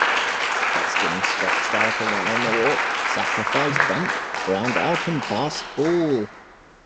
Boston scratched out a run on a walk, sacrifice bunt, groundout and passed ball.